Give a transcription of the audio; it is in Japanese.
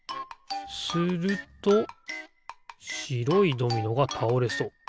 するとしろいドミノがたおれそう。